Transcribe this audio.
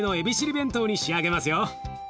弁当に仕上げますよ。